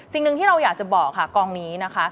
สิ่งหนึ่งที่เราอยากจะบอกค่ะกองนี้นะคะ